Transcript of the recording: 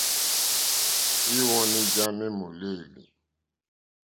Íwɔ̌ní já má èmòlêlì.